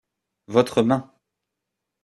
Votre main.